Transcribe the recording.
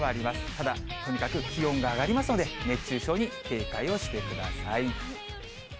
ただ、とにかく気温が上がりますので、熱中症に警戒をしてください。